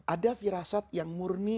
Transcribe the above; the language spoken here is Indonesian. ada firasat yang murni